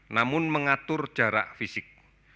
namun mengatur jarak fisik